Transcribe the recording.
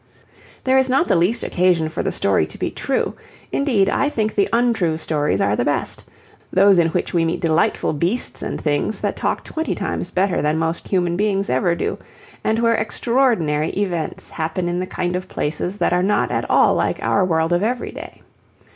There is not the least occasion for the story to be true; indeed I think the untrue stories are the best those in which we meet delightful beasts and things that talk twenty times better than most human beings ever do, and where extraordinary events happen in the kind of places that are not at all like our world of every day.